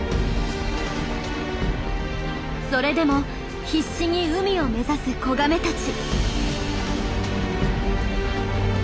それでも必死に海を目指す子ガメたち。